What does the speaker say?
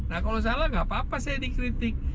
nah kalau salah nggak apa apa saya dikritik